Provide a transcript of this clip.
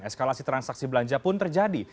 eskalasi transaksi belanja pun terjadi